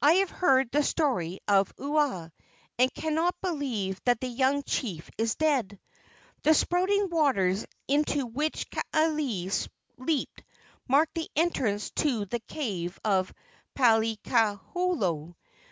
I have heard the story of Ua, and cannot believe that the young chief is dead. The spouting waters into which Kaaialii leaped mark the entrance to the cave of Palikaholo.